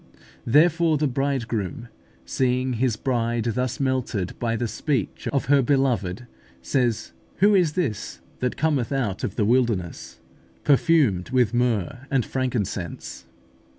Therefore the Bridegroom, seeing His Bride thus melted by the speech of her Beloved, says, "Who is this that cometh out of the wilderness, perfumed with myrrh and frankincense?"